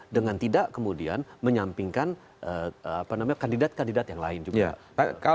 dengan tidak kemudian menyampingkan kandidat kandidat yang lain juga